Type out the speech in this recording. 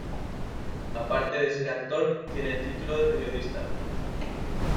Aparte de ser actor, tiene el título de periodista.